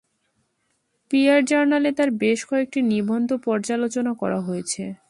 Peer জার্নালে তাঁর বেশ কয়েকটি নিবন্ধ পর্যালোচনা করা হয়েছে।